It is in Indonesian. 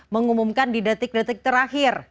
mengumumkan di detik detik terakhir